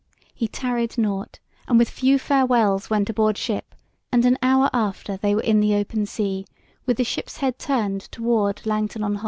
He tarried nought, and with few farewells went aboard ship, and an hour after they were in the open sea with the ship's head turned toward Langton on Holm.